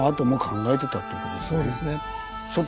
そうですね。